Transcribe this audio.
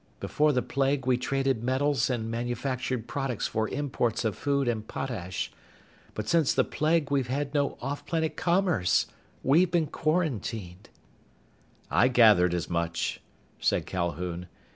Before the Plague we traded metals and manufactured products for imports of food and potash. But since the Plague we've had no off planet commerce. We've been quarantined." "I gathered as much," said Calhoun.